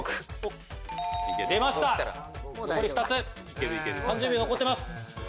残り２つ３０秒残ってます。